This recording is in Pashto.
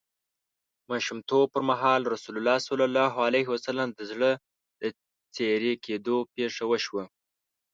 ماشومتوب پر مهال رسول الله ﷺ د زړه د څیری کیدو پېښه وشوه.